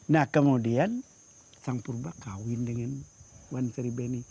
nah kemudian sang sapurma kawin dengan wan sri beni